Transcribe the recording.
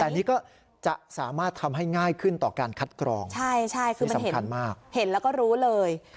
แต่อันนี้ก็จะสามารถทำให้ง่ายขึ้นต่อการคัดกรองใช่ใช่คือมันเห็นชัดมากเห็นแล้วก็รู้เลย